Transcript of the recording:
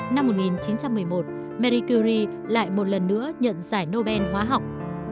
năm một nghìn chín trăm một mươi một marie curie lại một lần nữa nhận giải thưởng nobel vật lý